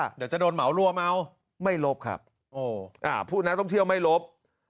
เดี๋ยวจะโดนเหมารัวเมาไม่ลบครับผู้นักท่องเที่ยวไม่ลบ